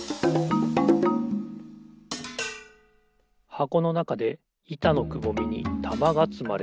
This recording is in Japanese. はこのなかでいたのくぼみにたまがつまれる。